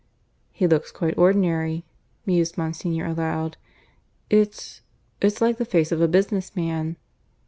"He looks quite ordinary," mused Monsignor aloud. "It's ... it's like the face of a business man."